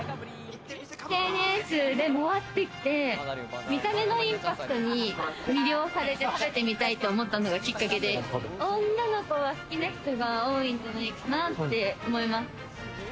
ＳＮＳて回ってきて、見た目のインパクトに魅了されて、食べてみたいと思ったのがきっかけで女の子は好きな人が多いんじゃないかなって思います。